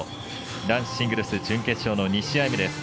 男子シングルス準決勝の２試合目です。